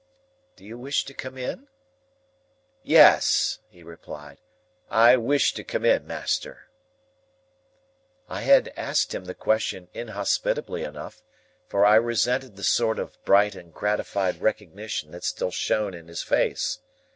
"Do you wish to come in?" "Yes," he replied; "I wish to come in, master." I had asked him the question inhospitably enough, for I resented the sort of bright and gratified recognition that still shone in his face.